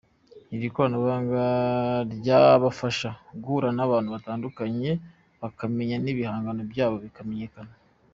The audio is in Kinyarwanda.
Iri koranabuhanga ryabafasha guhura n’abantu batandukanye bakabamenya n’ibihangano byabo bikamenyekana.